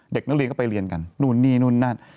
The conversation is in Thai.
เด็กนักเรียนก็ไปเรียนกันนู่นนี่นู่นนั่น